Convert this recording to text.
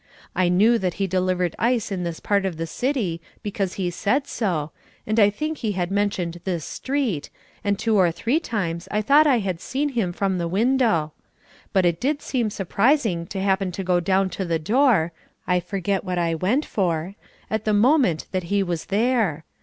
I knew that he delivered ice in this part of the city because he said so, and I think he had mentioned this street, and two or three times I thought I had seen him from the window. But it did seem surprising to happen to go down to the door (I forget what I went for) at the moment that he was there.